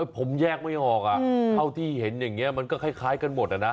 ผมแยกไม่ออกเท่าที่เห็นอย่างนี้มันก็คล้ายกันหมดนะ